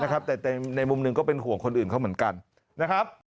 แต่ในมุมหนึ่งก็เป็นห่วงคนอื่นเขาเหมือนกันนะครับ